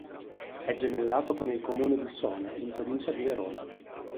È gemellato con il comune di Sona, in provincia di Verona.